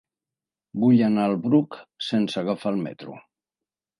Vull anar al Bruc sense agafar el metro.